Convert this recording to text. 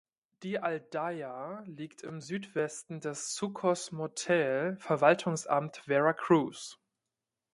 Die Aldeia liegt im Südwesten des Sucos Motael (Verwaltungsamt Vera Cruz).